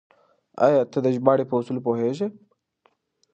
آيا ته د ژباړې په اصولو پوهېږې؟